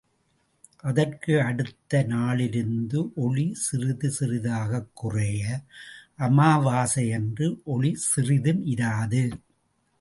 அதற்கு அடுத்த நாளிலிருந்து ஒளி சிறிது சிறிதாகக் குறைய, அமாவாசை யன்று ஒளி சிறிதும் இராது.